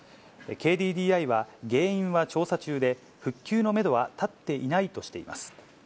ＫＤＤＩは、原因は調査中で、復旧のメドは立っていないとしています。